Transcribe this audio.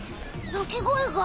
鳴き声が？